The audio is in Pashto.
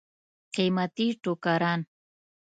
قیمتي ټوکران.